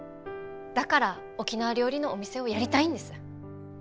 だから沖縄料理のお店をやりたいんです。